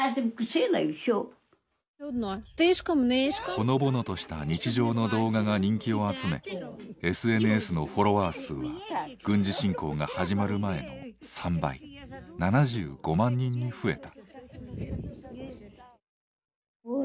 ほのぼのとした日常の動画が人気を集めＳＮＳのフォロワー数は軍事侵攻が始まる前の３倍７５万人に増えた。